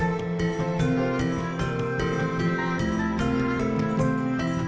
seupaya saya tetap different setiap kali tembak dan periksa harian